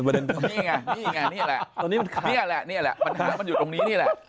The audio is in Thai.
นี่ไงนี่แหละมันอยู่ตรงนี้นี่แหละ